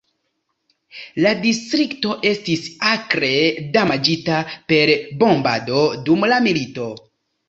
La distrikto estis akre damaĝita per bombado dum la milito.